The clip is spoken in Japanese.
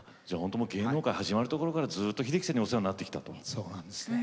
芸能界始まるところからずっと秀樹さんとお世話になってきたということですね。